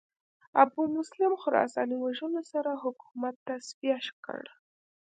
ابومسلم خراساني وژلو سره حکومت تصفیه کړ